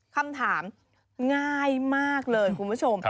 คำถามง่ายมากเลยคุณผู้ชม